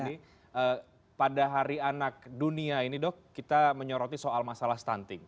jadi pada hari anak dunia ini dok kita menyoroti soal masalah stunting